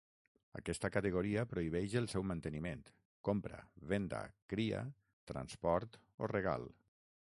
Aquesta categoria prohibeix el seu manteniment, compra, venda, cria, transport o regal.